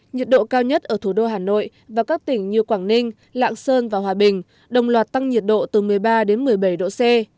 nhiệt độ cao nhất ở thủ đô hà nội và các tỉnh như quảng ninh lạng sơn và hòa bình đồng loạt tăng nhiệt độ từ một mươi ba đến một mươi bảy độ c